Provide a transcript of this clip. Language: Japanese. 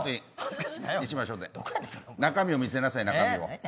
中身を見せなさい中身を。